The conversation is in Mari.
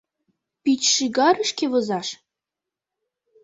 Пич шӱгарышке возаш?..